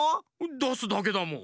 だすだけだもん。